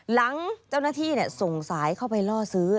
หลังเจ้าหน้าที่ส่งสายเข้าไปล่อซื้อ